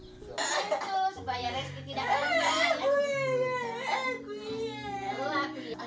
supaya reski tidak kabur